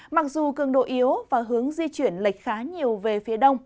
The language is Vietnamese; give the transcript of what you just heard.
mặc dù cường độ yếu và hướng di chuyển lệch khá nhiều về phía đông